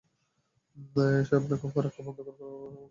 এখন ফারাক্কা বন্ধ করে পানি কলকাতা বন্দরে নিতে গেলে বিহার ডুবে যাচ্ছে।